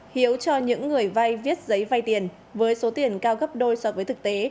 hiếu cho những người vai viết giấy vai tiền với số tiền cao gấp đôi so với thực tế